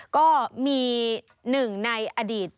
ก็มีหนึ่งในอดีต